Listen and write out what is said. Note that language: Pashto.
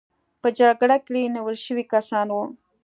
په جګړه کې نیول شوي کسان وو.